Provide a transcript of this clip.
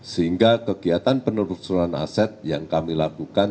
sehingga kegiatan penelusuran aset yang kami lakukan